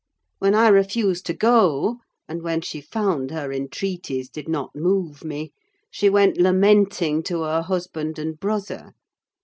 When I refused to go, and when she found her entreaties did not move me, she went lamenting to her husband and brother.